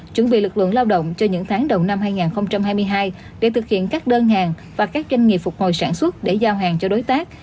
chuẩn bị lực lượng lao động cho những tháng đầu năm hai nghìn hai mươi hai để thực hiện các đơn hàng và các doanh nghiệp phục hồi sản xuất để giao hàng cho đối tác